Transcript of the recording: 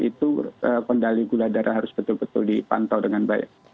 itu kendali gula darah harus betul betul dipantau dengan baik